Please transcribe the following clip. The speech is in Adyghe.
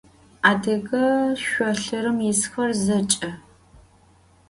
Adıge şsolhırım yisxer zeç'e.